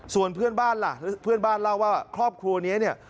ส่วนเพื่อนบ้านล่ะเพื่อนบ้านเล่าว่าครอบครัวนี้เนี่ย